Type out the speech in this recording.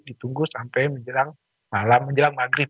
ditunggu sampai menjelang malam menjelang maghrib